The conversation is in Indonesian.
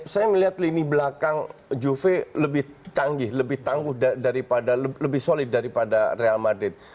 saya melihat lini belakang juve lebih canggih lebih tangguh lebih solid daripada real madrid